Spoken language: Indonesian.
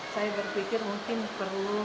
saya berpikir mungkin perlu